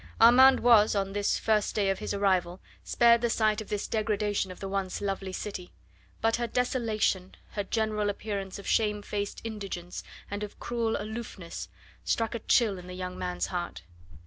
Armand was, on this first day of his arrival, spared the sight of this degradation of the once lovely city; but her desolation, her general appearance of shamefaced indigence and of cruel aloofness struck a chill in the young man's heart.